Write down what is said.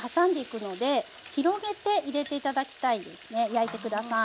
焼いて下さい。